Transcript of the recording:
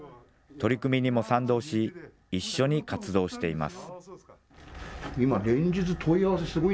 取り組みにも賛同し、一緒に活動しています。